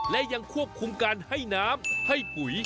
และยังควบคุมการให้น้ำให้ปุ๋ย